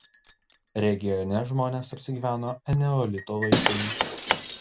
Regione žmonės apsigyveno eneolito laikais.